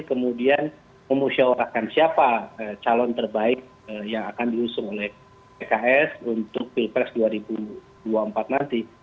kemudian memusyawarahkan siapa calon terbaik yang akan diusung oleh pks untuk pilpres dua ribu dua puluh empat nanti